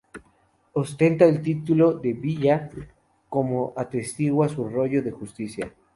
Ostenta el título de "villa" como atestigua su rollo de justicia.